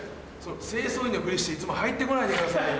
清掃員のふりしていつも入って来ないでくださいよ。